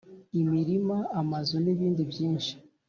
imirima, amazu nibindi byinshi